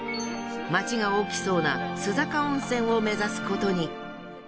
町が大きそうな須坂温泉を目指すことに。